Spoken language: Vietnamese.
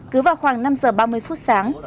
cứ vào khoảng năm h ba mươi phút sáng